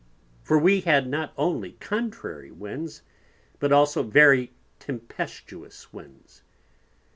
For we had not only contrary Winds, but also very tempestuous Winds.